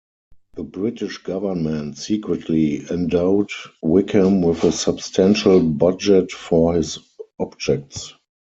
The British government secretly endowed Wickham with a substantial budget for his objects.